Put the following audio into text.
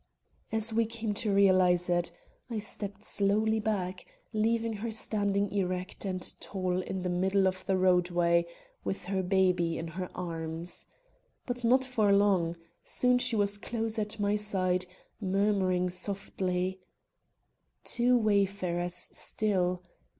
As we came to realize it, I stepped slowly back, leaving her standing erect and tall in the middle of the roadway, with her baby in her arms. But not for long; soon she was close at my side murmuring softly: "Two wayfarers still!